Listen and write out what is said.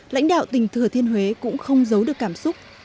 lãnh đạo tỉnh thừa thiên huế cũng không giấu được cảm xúc